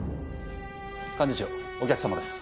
幹事長お客様です。